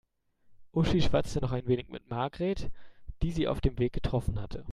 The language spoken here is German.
Uschi schwatzte noch ein wenig mit Margret, die sie auf dem Weg getroffen hatte.